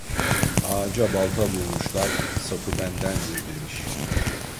Ağaca balta vurmuşlar "sapı bendendir" demiş.